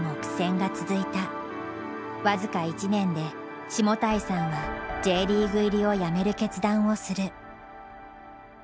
僅か１年で下平さんはＪリーグ入りをやめる決断をする。